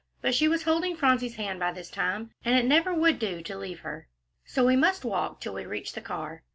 But she was holding Phronsie's hand by this time, and it never would do to leave her. "So we must walk till we reach the car."